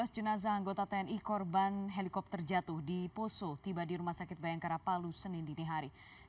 dua belas jenazah anggota tni korban helikopter jatuh di poso tiba di rumah sakit bayangkara palu senin dinihari